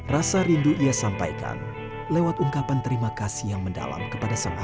rasa rindu ia sampaikan lewat ungkapan terima kasih yang mendalam kepada sang ayah